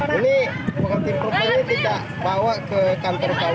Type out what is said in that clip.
ini pengantin perempuan ini kita bawa ke kantor kua